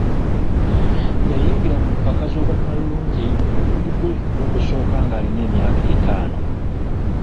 Yayingira mu mpaka z'obwannalulungi omulundi gwe ogusooka ng'alina emyaka etaano.